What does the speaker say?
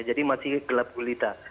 jadi masih gelap kulitnya